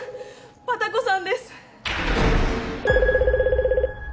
バタコさんです。